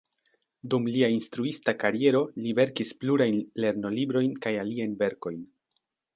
Dum lia instruista kariero li verkis plurajn lernolibrojn kaj aliajn verkojn.